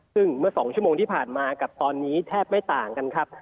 ซึ่งเมื่อ๒ชั่วโมงที่ผ่านมากับตอนนี้แทบไม่ต่างกันครับ